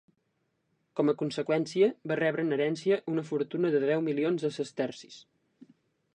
Com a conseqüència va rebre en herència una fortuna de deu milions de sestercis.